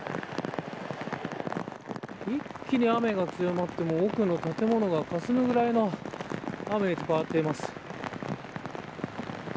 一気に雨が強まって奥の建物がかすむくらいの雨へと変わっています。